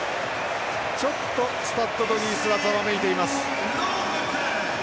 ちょっとスタッド・ド・ニースはざわめいています。